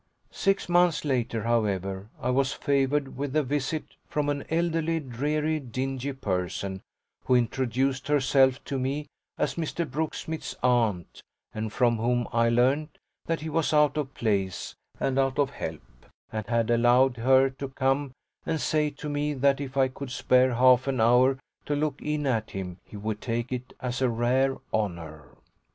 Six months later however I was favoured with a visit from an elderly dreary dingy person who introduced herself to me as Mr. Brooksmith's aunt and from whom I learned that he was out of place and out of health and had allowed her to come and say to me that if I could spare half an hour to look in at him he would take it as a rare honour.